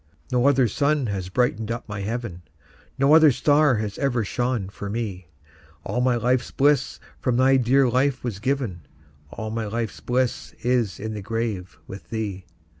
No other sun has brightened up my heaven, No other star has ever shone for me; All my life's bliss from thy dear life was given, All my life's bliss is in the grave with thee.